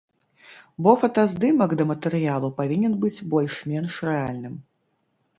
Бо фотаздымак да матэрыялу павінен быць больш-менш рэальным.